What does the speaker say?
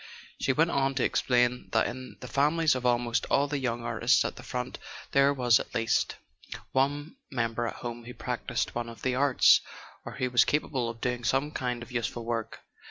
She went on to explain that in the families of almost all the young artists at the front there was at least one member at home who practised one of the arts, or who was capable of doing some kind of useful work.